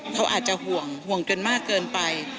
เขาอาจจะห่วงห่วงกันมากเกินไป